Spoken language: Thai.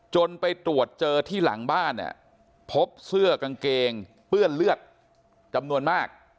ไปตรวจเจอที่หลังบ้านเนี่ยพบเสื้อกางเกงเปื้อนเลือดจำนวนมาก